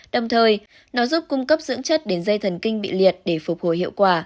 đồng thời nó giúp cung cấp dưỡng chất để dây thần kinh bị liệt để phục hồi hiệu quả